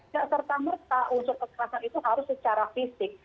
tidak serta merta unsur kekerasan itu harus secara fisik